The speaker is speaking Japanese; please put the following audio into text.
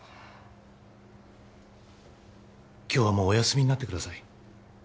今日はもうお休みになってください